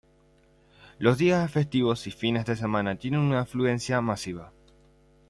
Los días festivos y fines de semana tienen una afluencia masiva.